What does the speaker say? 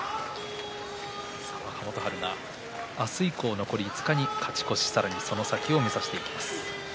若元春が明日以降残り５日に勝ち越しさらにはその先を目指していきます。